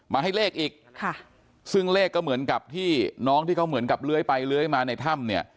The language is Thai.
มาให้เลขอีกค่ะซึ่งเลขก็เหมือนกับที่น้องที่เขาเหมือนกับเลื้อยไปเลื้อยมาในถ้ำเนี่ย